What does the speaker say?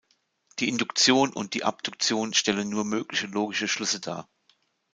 Die Induktion und die Abduktion stellen nur mögliche logische Schlüsse dar.